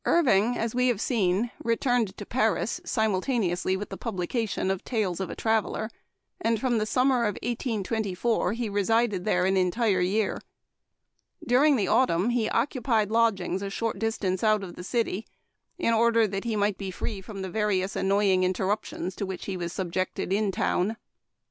RVING, as we have seen, returned to Paris simultaneously with the publication of *' Tales of a Traveler," and from the summer of 1824 he resided there an entire year. During the autumn he occupied lodgings a short dis tance out of the city, in order that he might be free from the various annoying interruptions to which he was subjected in town.